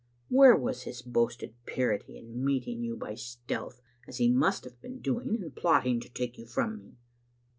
Where was his boasted purity in meeting you by stealth, as he must have been doing, and plotting to take you from me?"